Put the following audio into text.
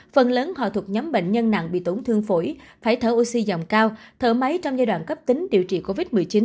phần lớn họ thuộc nhóm bệnh nhân nặng bị tổn thương phổi phải thở oxy dòng cao thở máy trong giai đoạn cấp tính điều trị covid một mươi chín